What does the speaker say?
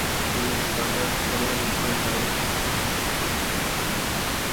اي گآڊر تمآري ڇي ڪآئي